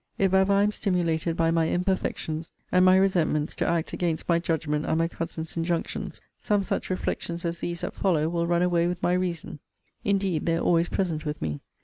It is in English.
If ever I am stimulated by my imperfections and my resentments to act against my judgment and my cousin's injunctions, some such reflections as these that follow will run away with my reason. Indeed they are always present with me.